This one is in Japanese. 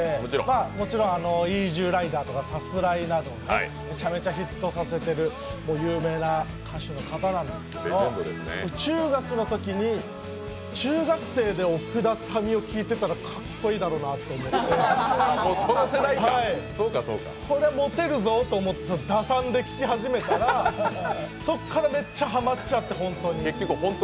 もちろん「イージュー★ライダー」とか、「さすらい」など尊敬させていただいている方なんですけど、中学のときに、中学生で奥田民生聴いてたらかっこいいだろうなと思って、これはモテるぞと思って打算で聴き始めたら、そっからめっちゃハマっちゃって本当に。